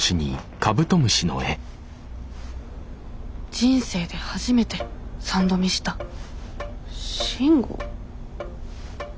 人生で初めて３度見した慎吾？